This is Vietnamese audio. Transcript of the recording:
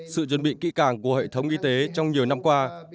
sự chuẩn bị kỹ càng của hệ thống y tế trong nhiều năm qua